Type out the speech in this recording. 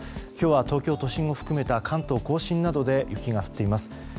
今日は東京都心を含めた関東・甲信などで雪が降っています。